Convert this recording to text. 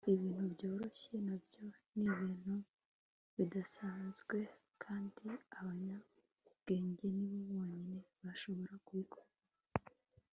ibintu byoroshye na byo ni ibintu bidasanzwe, kandi abanyabwenge ni bo bonyine bashobora kubibona